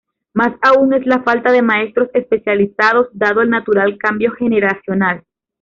Más aún es la falta de maestros especializados dado el natural cambio generacional.